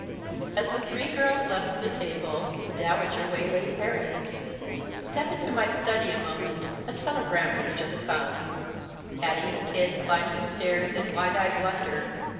As the three girls left the table, the Dowager waylaid Harriet. "Step into my study a moment. A telegram has just come " Patty and Kid climbed the stairs in wide eyed wonder.